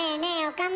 岡村。